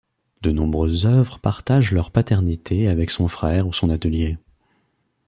De nombreuses œuvres partagent leur paternité avec son frère ou son atelier.